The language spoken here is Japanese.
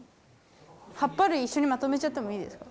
はっぱ類いっしょにまとめちゃってもいいですか？